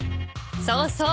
そうそう。